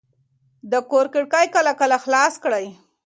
د کور کړکۍ کله کله خلاصې کړئ.